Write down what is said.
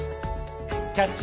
「キャッチ！